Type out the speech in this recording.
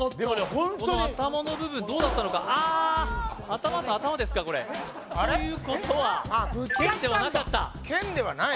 ホントにこの頭の部分どうだったのかあ頭と頭ですかこれということは剣ではなかった剣ではない？